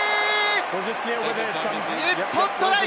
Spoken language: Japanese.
日本、トライ！